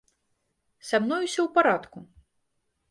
Са мной усё ў парадку.